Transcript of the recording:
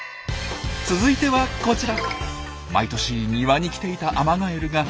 続いてはこちら。